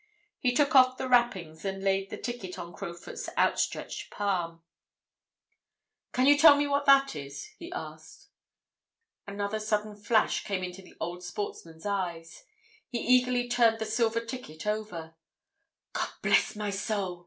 He took off the wrappings and laid the ticket on Crowfoot's outstretched palm. "Can you tell me what that is?" he asked. Another sudden flash came into the old sportsman's eyes—he eagerly turned the silver ticket over. "God bless my soul!"